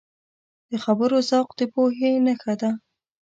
د خبرو ذوق د پوهې نښه ده